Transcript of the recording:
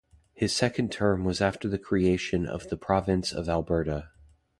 His second term was after the creation of the Province of Alberta.